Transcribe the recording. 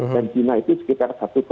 dan cina itu sekitar satu tiga